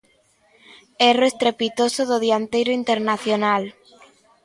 Erro estrepitoso do dianteiro internacional.